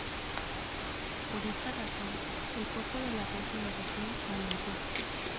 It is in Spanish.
Por esta razón, el costo del arroz en la región aumentó.